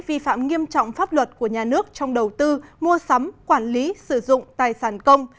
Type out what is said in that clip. vi phạm nghiêm trọng pháp luật của nhà nước trong đầu tư mua sắm quản lý sử dụng tài sản công